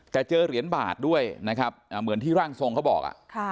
แต่เจอเหรียญบาทด้วยนะครับเหมือนที่ร่างทรงเขาบอก